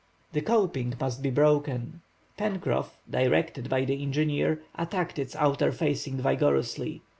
The coping must be broken. Pencroff, directed by the engineer, attacked its outer facing vigorously.